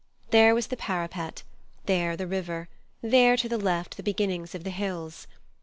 There was the parapet, there the river, there to the left the beginnings of the hills.